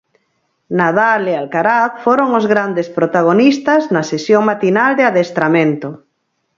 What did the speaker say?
Nadal e Alcaraz foron os grandes protagonistas na sesión matinal de adestramento.